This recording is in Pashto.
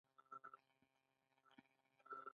بزګرو به کسبګرو ته لازم مواد ورکول.